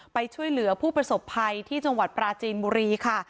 ไปช่วยเหลือผู้ประสบภัยที่จังหวัดปราจีนบุรีค่ะ